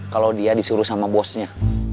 kalau dia disuruh sama bosnya